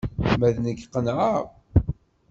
Ma d nekk, qenɛeɣ.